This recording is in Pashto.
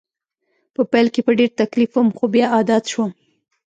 په پیل کې په ډېر تکلیف وم خو بیا عادت شوم